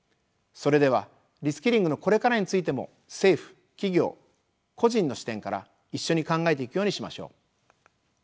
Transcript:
それではリスキリングのこれからについても政府・企業・個人の視点から一緒に考えていくようにしましょう。